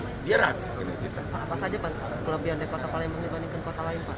pak apa saja pak kelebihan dari kota palembang dibandingkan kota lain pak